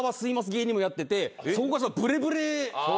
芸人もやっててブレブレ。